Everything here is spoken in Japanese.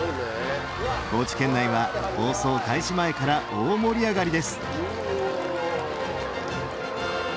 高知県内は放送開始前から大盛り上がりです。